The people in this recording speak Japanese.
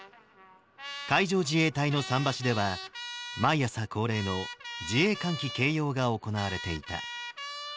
海上自衛隊の桟橋では、毎朝恒例の自衛艦旗掲揚が行われていた。